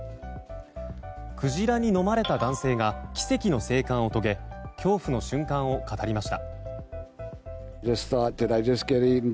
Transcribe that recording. クジラに飲まれた男性が奇跡の生還を遂げ恐怖の瞬間を語りました。